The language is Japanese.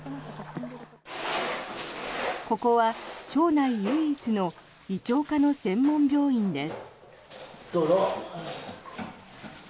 ここは町内唯一の胃腸科の専門病院です。